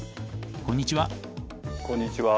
こんにちは。